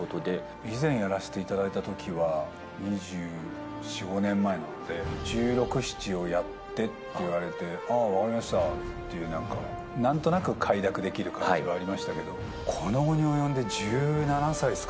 以前やらせていただいたときは、２４、５年前なので１６、７をやってっていわれて、ああ、わかりましたっていう、なんか、なんとなく快諾できる感じはありましたけど、この期に及んで１７歳っすか？